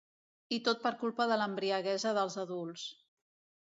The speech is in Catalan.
I tot per culpa de l'embriaguesa dels adults.